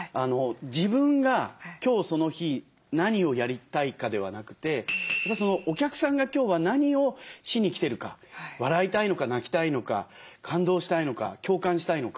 自分が今日その日何をやりたいかではなくてお客さんが今日は何をしに来てるか。笑いたいのか泣きたいのか感動したいのか共感したいのか。